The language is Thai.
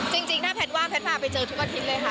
จริงถ้าแพทย์ว่างแพทย์พาไปเจอทุกอาทิตย์เลยค่ะ